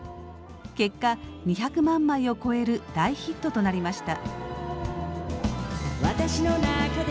結果２００万枚を超える大ヒットとなりました。